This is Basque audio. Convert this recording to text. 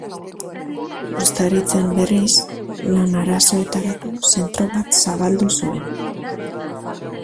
Uztaritzen, berriz, lan arazoetarako zentro bat zabaldu zuen.